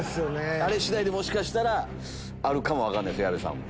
あれ次第でもしかしたらあるかも分かんない矢部さんも。